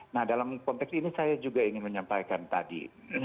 nah dalam konteks ini saya juga ingin menyampaikan tadi